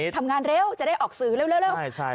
ทำงานเร็วจะได้ออกสื่อเร็วตอนนี้เนี่ย